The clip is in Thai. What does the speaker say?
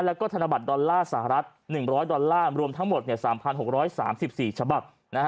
แล้วก็ธนบัตรดอลลาร์สหรัฐ๑๐๐ดอลลาร์รวมทั้งหมด๓๖๓๔ฉบับ